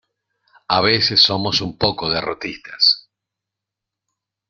A veces somos un poco derrotistas.